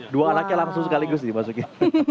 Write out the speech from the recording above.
dua anaknya langsung sekaligus dimasukin